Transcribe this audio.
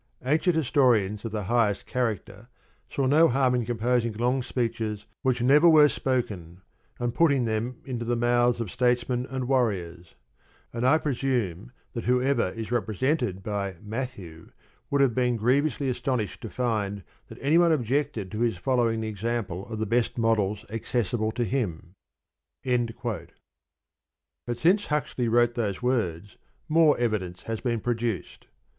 Ancient historians of the highest character saw no harm in composing long speeches which never were spoken, and putting them into the mouths of statesmen and warriors; and I presume that whoever is represented by "Matthew" would have been grievously astonished to find that any one objected to his following the example of the best models accessible to him. But since Huxley wrote those words more evidence has been produced.